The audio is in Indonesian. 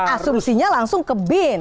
asurusinya langsung ke bin